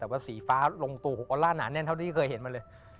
แต่ว่าสีฟ้าลงตัวของออลลาร์หนาแน่นเท่าที่เคยเห็นมาเลย